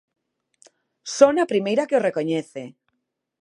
¡Son a primeira que o recoñece!